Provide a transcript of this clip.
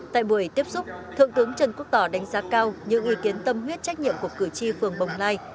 tại buổi tiếp xúc thượng tướng trần quốc tỏ đánh giá cao những ý kiến tâm huyết trách nhiệm của cử tri phường bồng lai